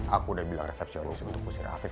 aku udah bilang resepsi untuk kusir afif